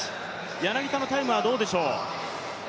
柳田のタイムはどうでしょう。